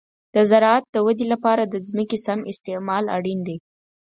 د زراعت د ودې لپاره د ځمکې سم استعمال اړین دی.